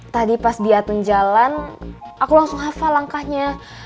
tadi pas di atun jalan aku langsung hafal langkahnya